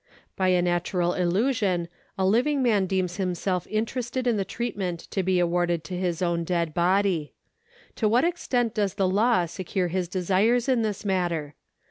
By a natural illusion a living man deems himself interested in the treatment to be awarded to his own dead body. To what extent does the law secure his desires in this matter